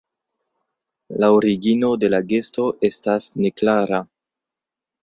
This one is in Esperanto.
La origino de la gesto estas neklara.